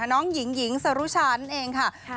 น้องหญิงหญิงสรุชานั่นเองค่ะ